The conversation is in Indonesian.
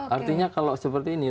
artinya kalau seperti ini